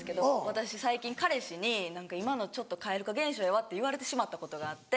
私最近彼氏に「今のちょっと蛙化現象やわ」って言われてしまったことがあって。